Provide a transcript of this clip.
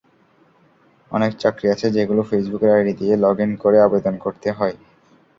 অনেক চাকরি আছে যেগুলো ফেসবুকের আইডি দিয়ে লগইন করে আবেদন করতে হয়।